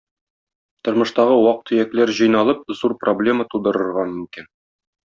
Тормыштагы вак-төякләр җыйналып зур проблема тудырырга мөмкин.